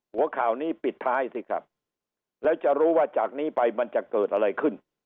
หัวข่าวนี้ปิดท้ายสิครับแล้วจะรู้ว่าจากนี้ไปมันจะเกิดอะไรขึ้น